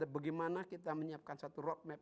bagaimana kita menyiapkan satu roadmap